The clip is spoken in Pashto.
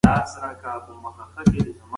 هندوستان غوښتل چي له امیر سره ملګرتیا وکړي.